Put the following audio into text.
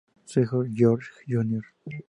Su hijo George, Jr.